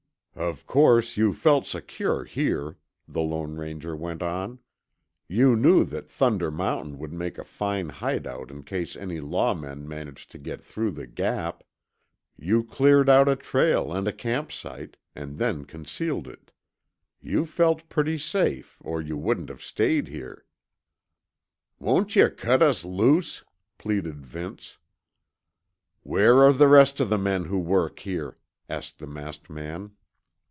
"Of course, you felt secure here," the Lone Ranger went on. "You knew that Thunder Mountain would make a fine hideout in case any law men managed to get through the Gap. You cleared out a trail and a campsite, and then concealed it. You felt pretty safe, or you wouldn't have stayed here." "Won't yuh cut us loose?" pleaded Vince. "Where are the rest of the men who work here?" asked the masked man.